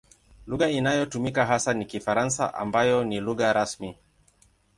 Lugha inayotumika hasa ni Kifaransa ambayo ni lugha rasmi.